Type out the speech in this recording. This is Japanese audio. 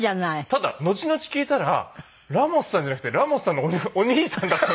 ただ後々聞いたらラモスさんじゃなくてラモスさんのお兄さんだった。